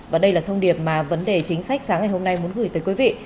và đây là thông điệp mà vấn đề chính sách sáng ngày hôm nay muốn gửi tới quý vị